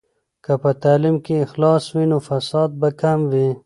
که په تعلیم کې اخلاص وي، نو فساد به کم وي.